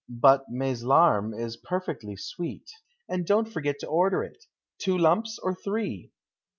But ' Mes Larmes ' is perfectly sweet, and dont forget to order it. Two lumps or three